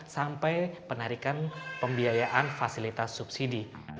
sampai penarikan pembiayaan fasilitas subsidi